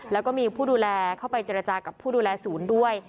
แล้วก็มีผู้ดูแลเข้าไปเจรจากับผู้ดูแลศูนย์ด้วย